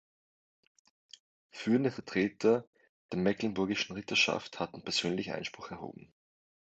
Führende Vertreter der mecklenburgischen Ritterschaft hatten persönlich Einspruch erhoben.